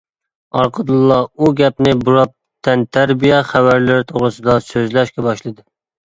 ئارقىدىنلا ئۇ گەپنى بۇراپ تەنتەربىيە خەۋەرلىرى توغرىسىدا سۆزلەشكە باشلىدى.